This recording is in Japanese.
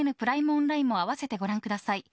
オンラインも併せてご覧ください。